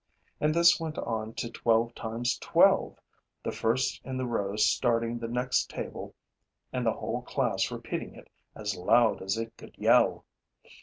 And this went on to twelve times twelve, the first in the row starting the next table and the whole class repeating it as loud as it could yell.